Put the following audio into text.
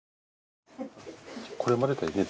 これまでだよね